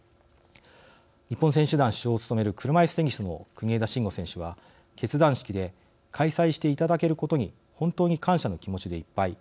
日本選手団主将を務める車いすテニスの国枝慎吾選手は結団式で「開催していただけることに本当に感謝の気持ちでいっぱい。